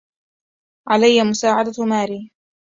علي مساعدة ماري.